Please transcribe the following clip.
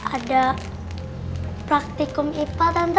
abang jepang semua empat tangga